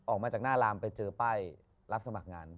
ออกมาจากหน้าลามไปเจอป้ายรับสมัครงาน